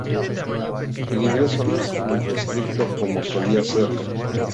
El ingreso no es irrestricto como solía serlo.